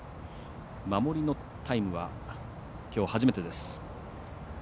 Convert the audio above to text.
守りのタイムはきょう初めてです。